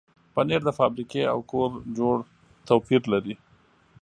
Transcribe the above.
پنېر د فابریکې او کور جوړ توپیر لري.